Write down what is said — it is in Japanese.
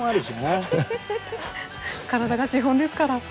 体が資本ですから。